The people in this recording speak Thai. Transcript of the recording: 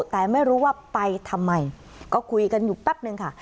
แต่ไม่รู้ว่าไปทำไมก็คุยกันอยู่แป๊บนึงค่ะ